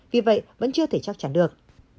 vì vậy vẫn chưa thể chắc chắn được